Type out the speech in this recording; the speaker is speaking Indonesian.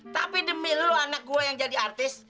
tapi demi lo anak gue yang jadi artis